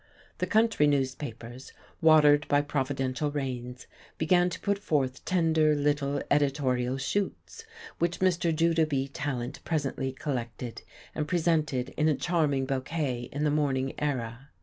The country newspapers, watered by providential rains, began to put forth tender little editorial shoots, which Mr. Judah B. Tallant presently collected and presented in a charming bouquet in the Morning Era.